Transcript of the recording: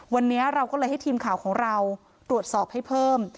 วันนี้เราก็เลยให้ทีมข่าวของเราตรวจสอบให้เพิ่ม